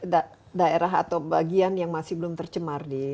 ada daerah atau bagian yang masih belum tercemar